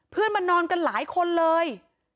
เพื่อนมานอนกันหลายคนเลย